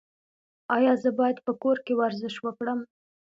ایا زه باید په کور کې ورزش وکړم؟